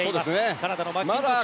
カナダのマッキントッシュ。